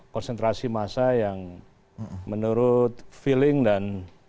konsentrasi massa yang menurut feeling dan